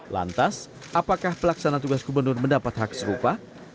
lantas apakah pelaksana tugas gubernur mendapat hak serupa